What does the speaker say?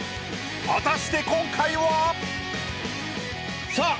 果たして今回は⁉さあ